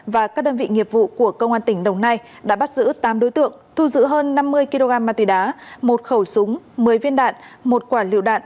và các đơn vị nghiệp vụ của công an tỉnh đồng nai đã bắt giữ tám đối tượng thu giữ hơn năm mươi kg ma túy đá một khẩu súng một mươi viên đạn một quả liệu đạn